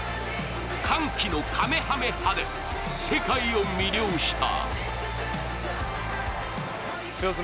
歓喜のかめはめ波で世界を魅了した。